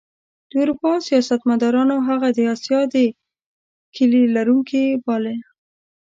د اروپا سیاستمدارانو هغه د اسیا د کیلي لرونکی باله.